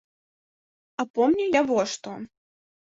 А помню я во што.